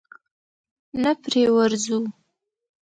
نه پرې ورځو؟